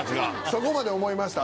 そこまで思いました？